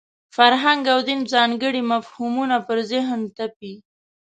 فرهنګ او دین ځانګړي مفهومونه پر ذهن تپي.